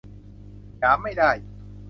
หยามไม่ได้